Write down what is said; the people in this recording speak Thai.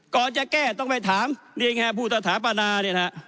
ก่อนจะแก้ต้องไปถามนี่ไงผู้สถาปนาเนี่ยนะฮะ